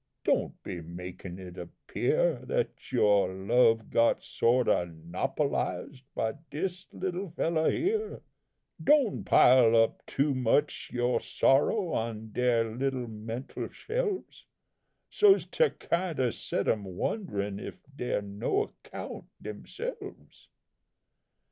doan' be makin' it appear Dat your love got sort o' 'nopolised by dis little fellow here; Don' pile up too much your sorrow on dere little mental shelves, So's to kind 'o set 'em wonderin' if dey're no account demselves.